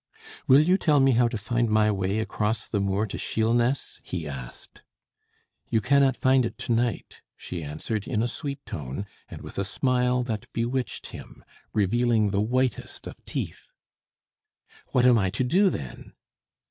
"Will you tell me how to find my way across the moor to Shielness?" he asked. "You cannot find it to night," she answered, in a sweet tone, and with a smile that bewitched him, revealing the whitest of teeth. "What am I to do, then?"